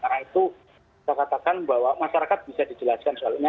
karena itu saya katakan bahwa masyarakat bisa dijelaskan soalnya